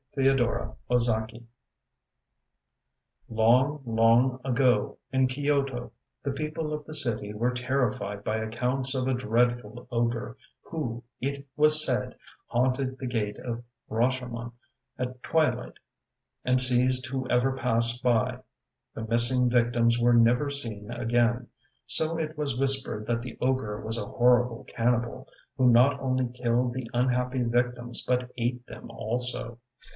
THE OGRE OF RASHOMON Long, long ago in Kyoto, the people of the city were terrified by accounts of a dreadful ogre, who, it was said, haunted the Gate of Rashomon at twilight and seized whoever passed by. The missing victims were never seen again, so it was whispered that the ogre was a horrible cannibal, who not only killed the unhappy victims but ate them also.